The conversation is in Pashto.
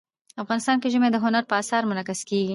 افغانستان کې ژمی د هنر په اثار کې منعکس کېږي.